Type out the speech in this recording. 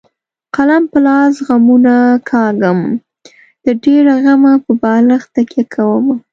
قلم په لاس غمونه کاږم د ډېره غمه په بالښت تکیه کومه.